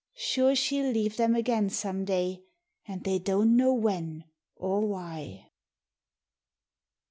Sure she'll leave them again some day, an' they don't know when or why !